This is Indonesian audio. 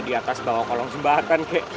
di atas bawang kolong jembatan kek